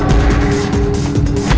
jangan let off